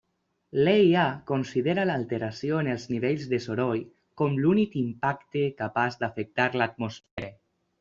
L'EIA considera l'alteració en els nivells de soroll com l'únic impacte capaç d'afectar l'atmosfera.